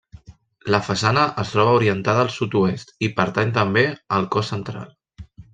La façana es troba orientada al Sud-oest i pertany també al cos central.